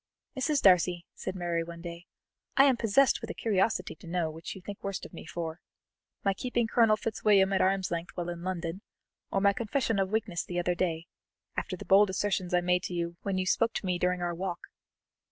"Mrs. Darcy," said Mary one day, "I am possessed with a curiosity to know which you think worst of me for my keeping Colonel Fitzwilliam at arm's length while in London, or my confession of weakness the other day, after the bold assertions I made when you spoke to me during our walk?"